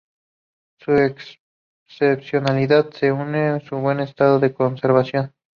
Su excepcionalidad se une su buen estado de conservación.